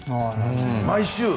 毎週。